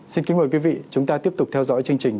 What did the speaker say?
xin kính mời quý vị chúng ta tiếp tục theo dõi chương trình